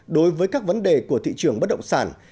đối với các vấn đề của thị trường bất động sản